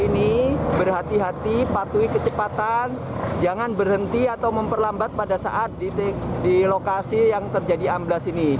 ini berhati hati patuhi kecepatan jangan berhenti atau memperlambat pada saat di lokasi yang terjadi amblas ini